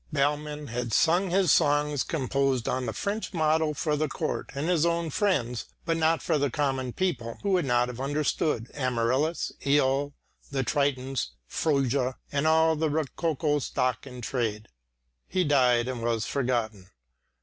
Bellmann had sung his songs composed on the French model for the Court and his own friends, but not for the common people, who would not have understood "Amaryllis," "Eol," "The Tritons," "Fröja" and all the rococo stock in trade. He died and was forgotten.